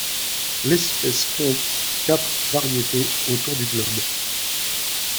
L'espèce compte quatre variétés autour du globe.